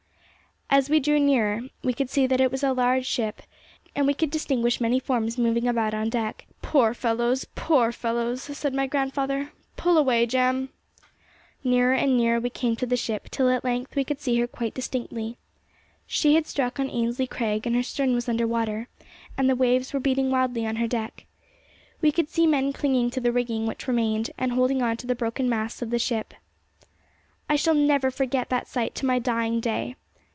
As we drew nearer, we could see that it was a large ship, and we could distinguish many forms moving about on deck. 'Poor fellows! poor fellows!' said my grandfather. 'Pull away, Jem!' Nearer and nearer we came to the ship, till at length we could see her quite distinctly. She had struck on Ainslie Crag, and her stern was under water, and the waves were beating wildly on her deck. We could see men clinging to the rigging which remained, and holding on to the broken masts of the ship. I shall never forget that sight to my dying day!